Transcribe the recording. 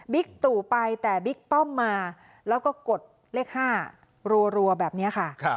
ตู่ไปแต่บิ๊กป้อมมาแล้วก็กดเลข๕รัวแบบนี้ค่ะ